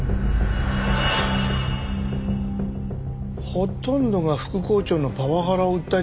ほとんどが副校長のパワハラを訴えてますね。